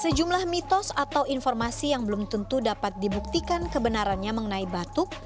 sejumlah mitos atau informasi yang belum tentu dapat dibuktikan kebenarannya mengenai batuk